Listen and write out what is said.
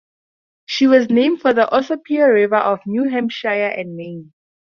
She was named for the Ossipee River of New Hampshire and Maine.